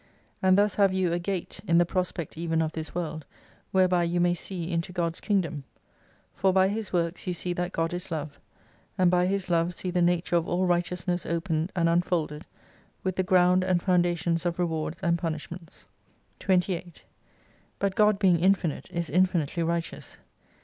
And thus have you a Gate, in the prospect even of this world, whereby you may see into God's Kingdom. For by His works you see that God is Love, and by His Love see the nature of all righteousness opened and unfolded : with the ground and foundations of rewards and pimishments. 28 But God being infinite is infinitely righteous.